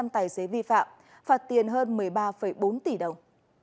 bốn năm trăm linh tài xế vi phạm phạt tiền hơn một mươi ba bốn tỷ đồng